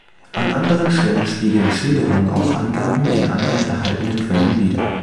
An anderen Stellen spiegeln Schilderungen auch Angaben in anderen erhaltenen Quellen wider.